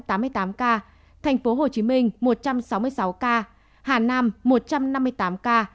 thành phố hồ chí minh một trăm sáu mươi sáu ca hà nam một trăm năm mươi tám ca